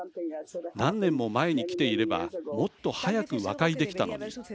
何年も前に来ていればもっと早く和解できたのに。